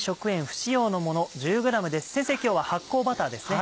今日は発酵バターですね。